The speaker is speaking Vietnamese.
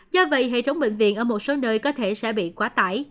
do vậy hệ thống bệnh viện ở một số nơi có thể sẽ bị quá tải